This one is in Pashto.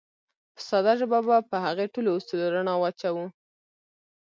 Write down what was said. په ساده ژبه به په هغو ټولو اصولو رڼا واچوو.